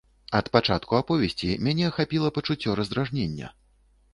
Ад пачатку аповесці мяне ахапіла пачуццё раздражнення.